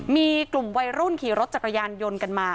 มีกลุ่มวัยรุ่นขี่รถจักรยานยนต์กันมา